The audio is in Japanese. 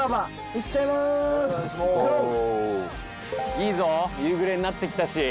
いいぞ夕暮れになってきたし。